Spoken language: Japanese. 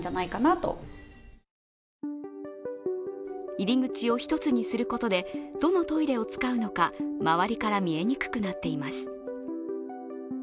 入り口を一つにすることでどのトイレを使うのか周りから見えにくくなっています。